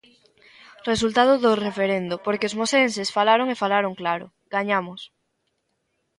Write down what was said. Resultado do referendo, porque os mosenses falaron, e falaron claro: gañamos.